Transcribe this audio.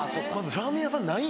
ラーメン屋さんない。